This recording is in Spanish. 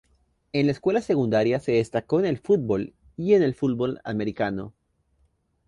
En la escuela secundaria se destacó en el fútbol y en el fútbol americano.